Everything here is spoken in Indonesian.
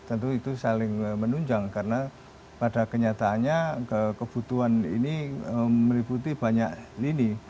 saya tidak menunjang karena pada kenyataannya kebutuhan ini meliputi banyak lini